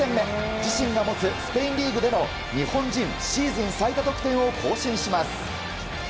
自身が持つスペインリーグでの日本人シーズン最多得点を更新します。